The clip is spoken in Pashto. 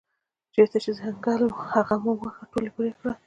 چېرته چې ځنګل و هغه مو وواهه ټول یې پرې کړل.